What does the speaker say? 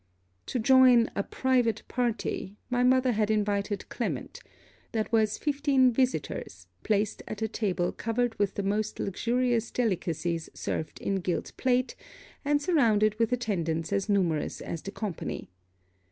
To join a private party, my mother had invited Clement: that was fifteen visitors, placed at a table covered with the most luxurious delicacies served in gilt plate, and surrounded with attendants as numerous as the company.